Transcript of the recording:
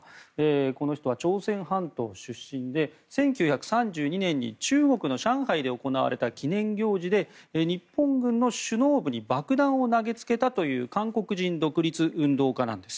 この人は朝鮮半島出身で１９３２年に中国の上海で行われた記念行事で日本軍の首脳部に爆弾を投げつけたという韓国人独立運動家なんです。